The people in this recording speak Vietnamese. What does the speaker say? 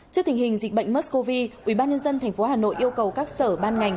trước tình hình dịch bệnh mers cov ủy ban nhân dân tp hà nội yêu cầu các sở ban ngành